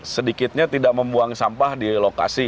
sedikitnya tidak membuang sampah di lokasi